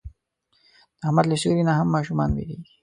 د احمد له سیوري نه هم ماشومان وېرېږي.